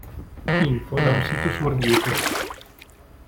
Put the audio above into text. Info da un sito su Orvieto